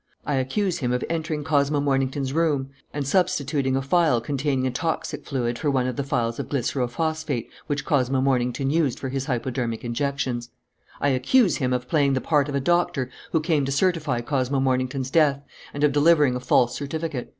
I accuse him of entering Cosmo Mornington's room and substituting a phial containing a toxic fluid for one of the phials of glycero phosphate which Cosmo Mornington used for his hypodermic injections. I accuse him of playing the part of a doctor who came to certify Cosmo Mornington's death and of delivering a false certificate.